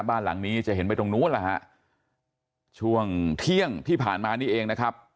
บ้านหลังนี้จะเห็นไปตรงนู้นแหละฮะช่วงเที่ยงที่ผ่านมานี่เองนะครับ